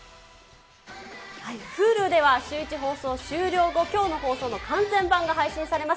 Ｈｕｌｕではシューイチ放送終了後、きょうの放送の完全版が配信されます。